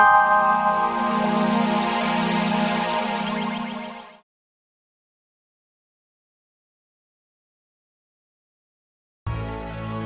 kang lo placesnya keles labu uden